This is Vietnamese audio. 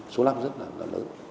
số lâm rất là lớn lớn